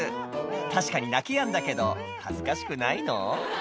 確かに泣きやんだけど恥ずかしくないの？